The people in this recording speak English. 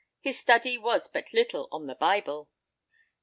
His studie was but litel on the Bible.